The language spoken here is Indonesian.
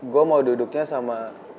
gue mau duduknya sama